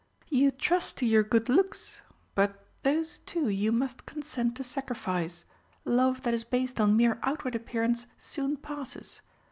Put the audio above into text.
"You trust to your good looks but those, too, you must consent to sacrifice. Love that is based on mere outward appearance soon passes.